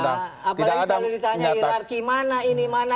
apalagi kalau ditanya hirarki mana ini mana